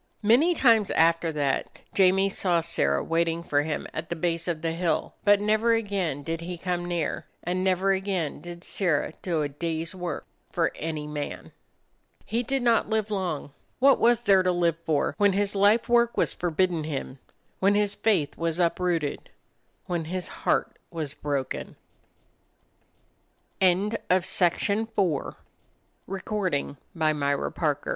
Many times after that Jamie saw Sirrah waiting for him at the base of the hill, but never again did he come near, and never again did Sirrah do a day's work for any man. He did not live long. What was there to live for, when his life work was forbidden him, when his faith was uprooted, when his heart was bro